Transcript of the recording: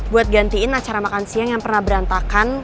buat gantiin acara makan siang yang pernah berantakan